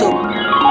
dan membuat sup